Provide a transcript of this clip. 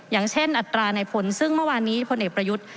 อย่างเช่นอัตราในผลซึ่งเมื่อวานนี้พลเอกประยุทธ์